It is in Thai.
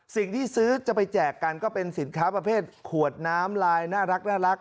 ซื้อจะไปแจกกันก็เป็นสินค้าประเภทขวดน้ำลายน่ารัก